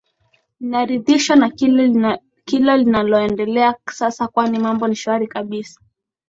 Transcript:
ninaridhishwa na kila linaloendelea sasa kwani mambo ni shwari kabisa